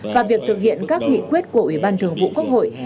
và việc thực hiện các nghị quyết của ủy ban thường vụ quốc hội